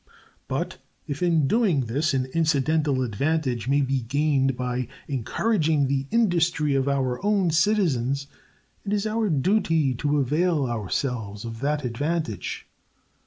But if in doing this an incidental advantage may be gained by encouraging the industry of our own citizens, it is our duty to avail ourselves of that advantage.